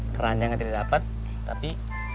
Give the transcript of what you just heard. keranjangnya tidak dapat tapi